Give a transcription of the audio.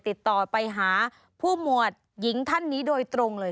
ติดต่อไปหาผู้หมวดหญิงท่านนี้โดยตรงเลย